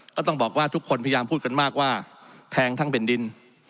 ก็ต้องบอกว่าทุกคนพยายามพูดกันมากว่าแพงทั้งแผ่นดิน